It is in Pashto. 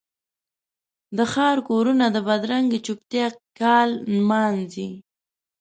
د ښار کورونه د بدرنګې چوپتیا کال نمانځي